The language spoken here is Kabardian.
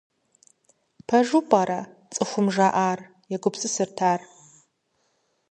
- Пэжу пӀэрэ цӀыхум жаӀэр? - егупсысырт ар.